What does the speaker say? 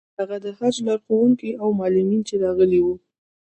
هغه د حج لارښوونکي او معلمین چې راغلي وو.